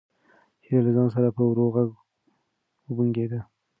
هیلې له ځان سره په ورو غږ وبونګېده.